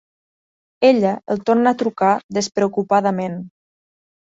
Ella el torna a trucar despreocupadament.